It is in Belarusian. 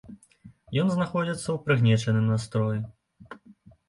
Ён знаходзіцца ў прыгнечаным настроі.